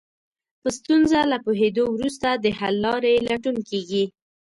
په ستونزه له پوهېدو وروسته د حل لارې لټون کېږي.